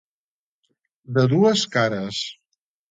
De dues cares.